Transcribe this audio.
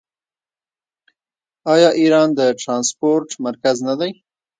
آیا ایران د ټرانسپورټ مرکز نه دی؟